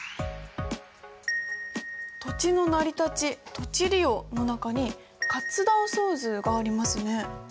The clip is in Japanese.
土地の成り立ち・土地利用の中に活断層図がありますね。